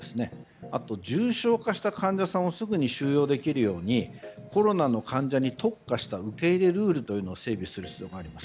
あと、重症化した患者さんをすぐ収容できるようにコロナの患者に特化した受け入れルールを整備する必要があります。